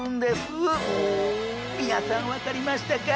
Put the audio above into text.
皆さん分かりましたか？